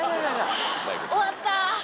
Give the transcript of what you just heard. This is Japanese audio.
終わった。